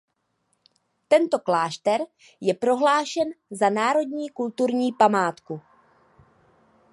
Tento klášter je prohlášen za národní kulturní památku.